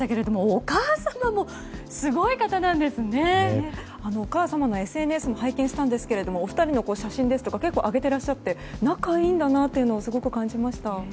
お母様のＳＮＳも拝見したんですけどお二人の写真ですとか結構上げていらっしゃって仲がいいんだなというのをすごく感じました。